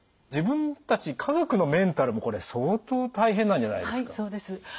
自分たち家族のメンタルもこれ相当大変なんじゃないですか？